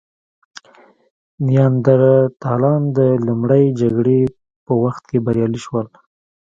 نیاندرتالان د لومړۍ جګړې په وخت کې بریالي شول.